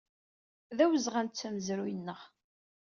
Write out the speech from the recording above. D awezɣi ad nettu amezruy-nneɣ.